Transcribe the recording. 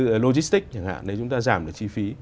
logistics chẳng hạn nếu chúng ta giảm được chi phí